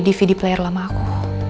dvd player lama aku